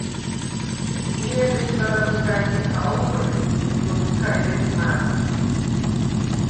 მი ერ ეშდარა ლჷზა̈ჲთექა ოღუ̂ერ, ლჷზორისგა ერედ მა̄̈ქუ̂: